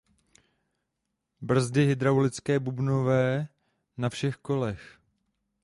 Brzdy hydraulické bubnové na všech kolech.